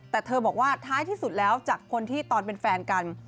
แต่เธอบอกว่าท้ายที่สุดแล้วจากคนที่ตอนเป็นแฟนกัน